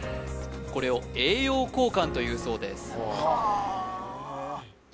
これを栄養交換というそうです